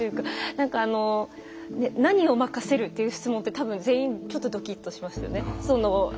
なんか、何を任せるっていう質問って多分、全員ちょっとドキッとしますよね。